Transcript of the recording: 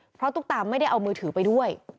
เพราะตุ๊กตาไม่ได้เอามือถือไปด้วย